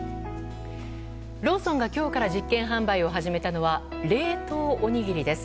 ローソンが今日から実験販売を始めたのは冷凍おにぎりです。